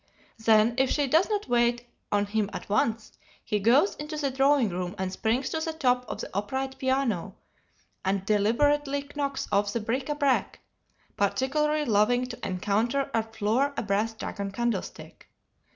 Then if she does not wait on him at once, he goes into the drawing room, and springs to the top of the upright piano, and deliberately knocks off the bric a brac, particularly loving to encounter and floor a brass dragon candlestick.